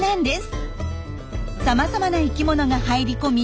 さまざまな生きものが入り込み